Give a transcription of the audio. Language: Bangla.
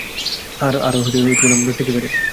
আর আমরা ঠিকই বাইরে।